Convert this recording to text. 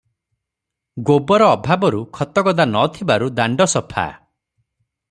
ଗୋବର ଅଭାବରୁ ଖତଗଦା ନଥିବାରୁ ଦାଣ୍ତ ସଫା ।